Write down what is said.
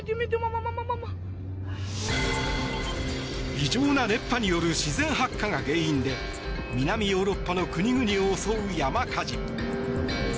異常な熱波による自然発火が原因で南ヨーロッパの国々を襲う山火事。